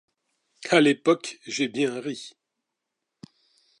À l’époque, j’ai bien ri.